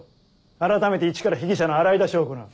あらためていちから被疑者の洗い出しを行う。